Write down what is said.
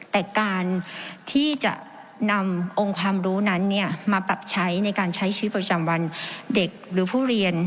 แต่การที่จะนำองค์ความรู้นั้นมาปรับใช้ในการใช้ชีวิตประจำวันเด็กหรือผู้เรียน